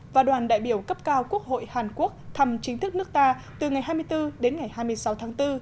và đoàn đại biểu cấp cao quốc hội hàn quốc thăm chính thức nước ta từ ngày hai mươi bốn đến ngày hai mươi sáu tháng bốn